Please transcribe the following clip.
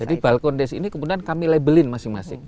jadi balkon desa ini kemudian kami labelin masing masing